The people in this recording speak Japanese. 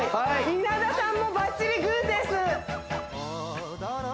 稲田さんもバッチリグーです